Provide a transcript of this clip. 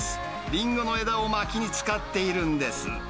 リンゴの枝をまきに使っているんです。